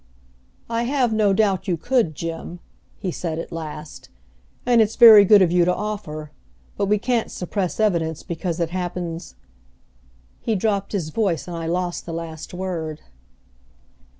"I have no doubt you could, Jim," he said at last, "and it's very good of you to offer, but we can't suppress evidence because it happens " He dropped his voice and I lost the last word.